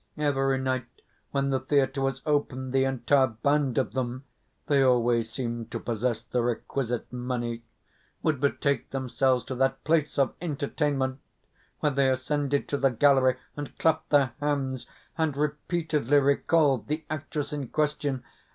Every night when the theatre was open, the entire band of them (they always seemed to possess the requisite money) would betake themselves to that place of entertainment, where they ascended to the gallery, and clapped their hands, and repeatedly recalled the actress in question.